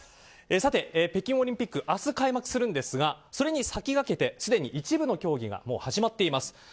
さて、北京オリンピック明日開幕するんですがそれに先駆けてすでに一部の競技がもう始まっています。